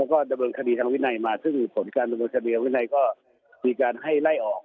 ก็ดำเนินคดีทางวินัยมาซึ่งผลการดำเนินวินัยก็มีการให้ไล่ออก